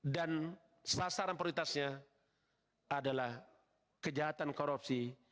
dan sasaran prioritasnya adalah kejahatan korupsi